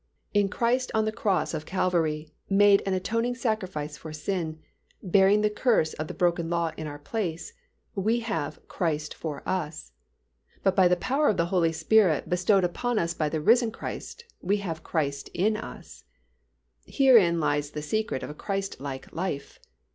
In Christ on the cross of Calvary, made an atoning sacrifice for sin, bearing the curse of the broken law in our place, we have Christ for us. But by the power of the Holy Spirit bestowed upon us by the risen Christ we have Christ in us. Herein lies the secret of a Christlike life.